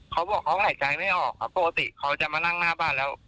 เขาบอกเขาหายใจไม่ออกครับปกติเขาจะมานั่งหน้าบ้านแล้ว